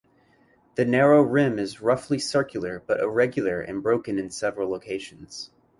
The narrow rim is roughly circular but irregular and broken in several locations.